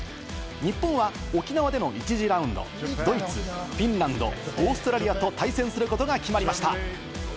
日本は沖縄での１次ラウンド、ドイツ、フィンランド、オーストラリアと対戦することが決まりました。